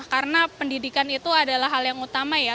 karena pendidikan itu adalah hal yang utama ya